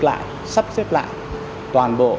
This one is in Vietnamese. lại sắp xếp lại toàn bộ